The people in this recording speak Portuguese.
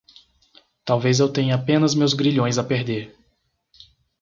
Talvez eu tenha apenas meus grilhões a perder